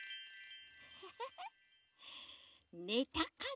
ウフフねたかな？